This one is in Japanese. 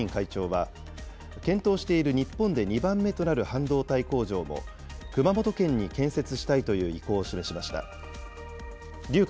台湾メディアによりますと、会社の劉徳音会長は、検討している日本で２番目となる半導体工場も、熊本県に建設したいという意向を示しました。